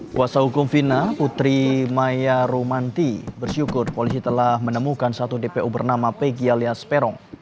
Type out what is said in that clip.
kuasa hukum vina putri maya romanti bersyukur polisi telah menemukan satu dpo bernama peggyalias perong